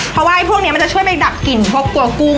เพราะว่าพวกนี้มันจะช่วยไปดับกลิ่นพวกตัวกุ้ง